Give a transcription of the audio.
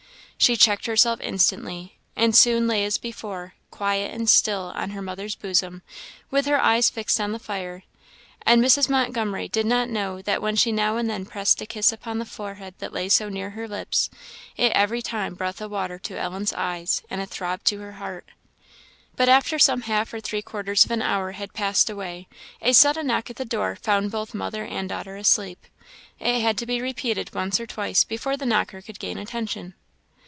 She checked herself instantly, and soon lay as before, quiet and still, on her mother's bosom, with her eyes fixed on the fire; and Mrs. Montgomery did not know that when she now and then pressed a kiss upon the forehead that lay so near her lips, it every time brought the water to Ellen's eyes, and a throb to her heart. But after some half or three quarters of an hour had passed away, a sudden knock at the door found both mother and daughter asleep; it had to be repeated once or twice before the knocker could gain attention.